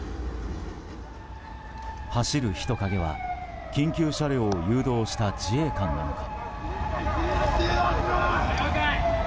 走る人影は緊急車両を誘導した自衛官なのか。